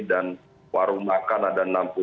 dan warung makan ada enam puluh sembilan